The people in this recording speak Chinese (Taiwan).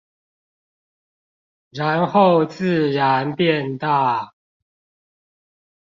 然後自然變大